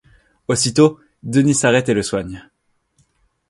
Aussitôt, Denis s’arrête et le soigne.